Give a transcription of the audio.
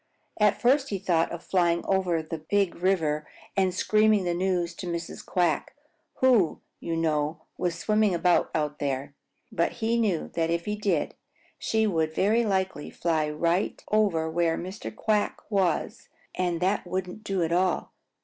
At first he thought of flying out over the Big River and screaming the news to Mrs. Quack, who, you know, was swimming about out there. But he knew that if he did, she would very likely fly right over where Mr. Quack was, and that wouldn't do at all.